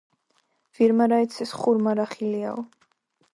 ვირმა რა იცის, ხურმა რა ხილიაო